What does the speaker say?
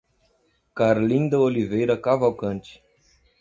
Carlinda Oliveira Cavalcante